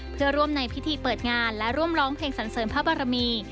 เพื่อร่วมในพิธีเปิดงานและร่วมร้องเพลงสันเสริมพระบารมี